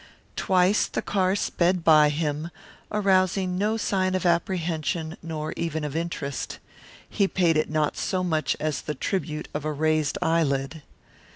Twice the car sped by him, arousing no sign of apprehension nor even of interest. He paid it not so much as the tribute of a raised eyelid.